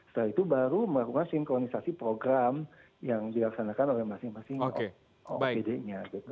setelah itu baru melakukan sinkronisasi program yang dilaksanakan oleh masing masing opd nya